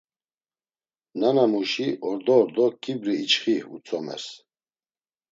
Nanamuşi "ordo ordo ǩibri içxi" utzomers.